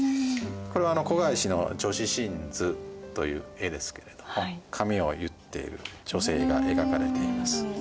これは顧之の「女史箴図」という絵ですけれども髪を結っている女性が描かれています。